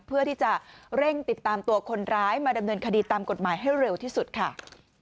เพื่อที่จะเร่งติดตามตัวคนร้ายมาดำเนินคดีตามกฎหมายให้เร็วที่สุดค่ะ